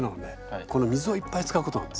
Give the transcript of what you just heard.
この水をいっぱい使うことなんですよ。